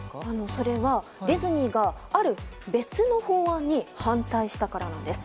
それは、ディズニーがある別の法案に反対したからなんです。